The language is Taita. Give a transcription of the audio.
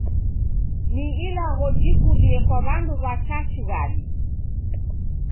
Ni ilagho jikurie kwa w'andu w'a cha shighadi.